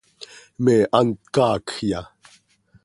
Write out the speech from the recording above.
¿Me hant caacjya?